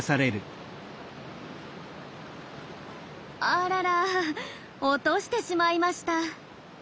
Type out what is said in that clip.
あらら落としてしまいました。